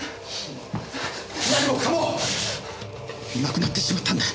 何もかもなくなってしまったんだ。